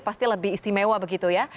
pasti lebih istimewa begitu ya